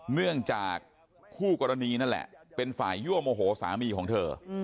เนื่องจากคู่กรณีนั่นแหละเป็นฝ่ายยั่วโมโหสามีของเธอ